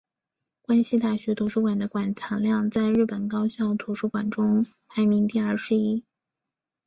关西大学图书馆的馆藏量在日本高校图书馆中排名第二十一。